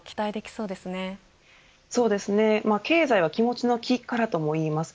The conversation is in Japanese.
そうですね、経済は気持ちの気からともいいます。